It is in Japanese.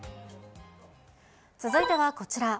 続いてはこちら。